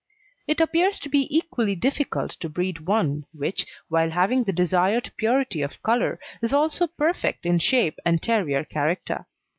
It appears to be equally difficult to breed one which, while having the desired purity of colour, is also perfect in shape and terrier character.